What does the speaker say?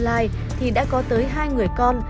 bắt đầu bước vào tuổi bị thành niên